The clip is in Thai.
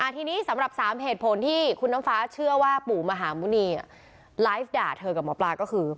ทีนี้สำหรับ๓เหตุผลที่คุณน้ำฟ้าเชื่อว่าปู่มหาหมุณีไลฟ์ด่าเธอกับหมอปลาก็คือ